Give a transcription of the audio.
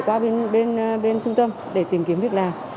qua bên trung tâm để tìm kiếm việc làm